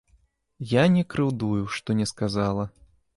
Я не крыўдую, што не сказала.